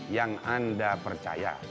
yang anda percaya